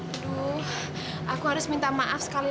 aduh aku harus minta maaf sekali